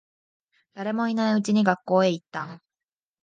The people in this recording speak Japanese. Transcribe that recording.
誰もいないうちに学校へ行った。